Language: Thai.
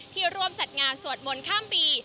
ร่วมจัดงานสวดมนต์ข้ามปี